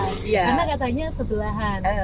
karena katanya sebelahan